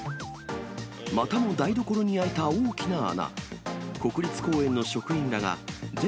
またも台所に開いた大きな穴。